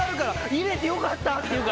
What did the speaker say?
「入れてよかった」って言うから。